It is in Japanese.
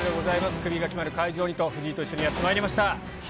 クビが決まる会場にと、藤井と一緒にやってまいりました。